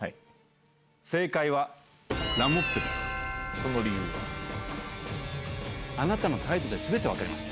その理由は？あなたの態度で全て分かりました。